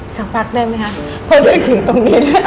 สักพักได้ไหมคะพอได้ถึงตรงนี้